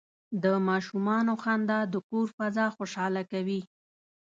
د ماشومانو خندا د کور فضا خوشحاله کوي.